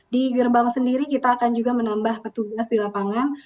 di gerbang sendiri kita akan juga menambah petugas di lapangan